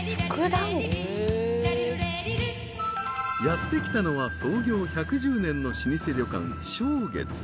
［やって来たのは創業１１０年の老舗旅館］